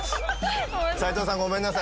齋藤さんごめんなさい。